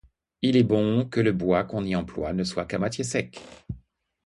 Il est bon que le bois qu'on y emploie ne soit qu'à moitié sec.